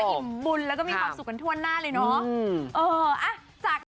อิ่มบุญแล้วก็มีความสุขกันทั่วหน้าเลยเนาะ